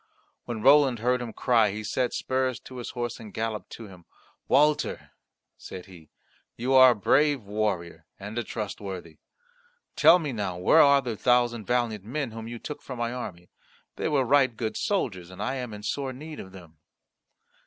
When Roland heard him cry he set spurs to his horse and galloped to him. "Walter," said he, "you are a brave warrior and a trustworthy. Tell me now where are the thousand valiant men whom you took from my army. They were right good soldiers, and I am in sore need of them."